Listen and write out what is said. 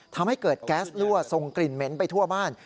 ทำให้เกิดแก๊สรั่วทรงกลิ่นเหม็นไปทั่วบ้าน